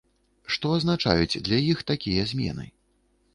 Што азначаюць для іх такія змены?